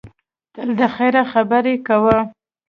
تل د خیر خبرې کوه.